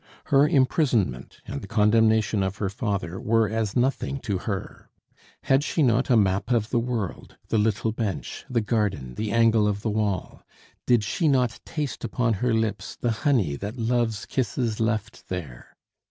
Her imprisonment and the condemnation of her father were as nothing to her. Had she not a map of the world, the little bench, the garden, the angle of the wall? Did she not taste upon her lips the honey that love's kisses left there?